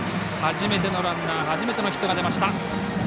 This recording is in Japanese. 初めてのランナー初めてのヒットが出ました。